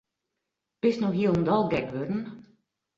Bist no hielendal gek wurden?